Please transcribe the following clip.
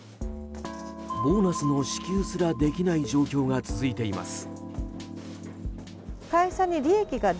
ボーナスの支給すらできない状況が続いています。